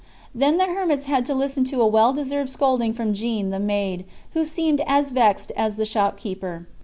Then the hermits had to listen to a well deserved scolding from Jeanne, the maid, who seemed as vexed as the shopkeeper.